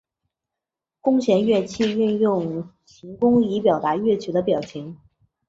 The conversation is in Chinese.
弓弦乐器运用琴弓以表达乐曲的表情。